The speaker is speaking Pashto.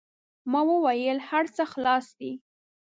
ما و ویل: هر څه خلاص دي.